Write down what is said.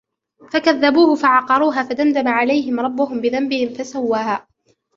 فَكَذَّبُوهُ فَعَقَرُوهَا فَدَمْدَمَ عَلَيْهِمْ رَبُّهُمْ بِذَنْبِهِمْ فَسَوَّاهَا